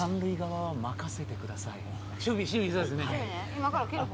今から蹴る方。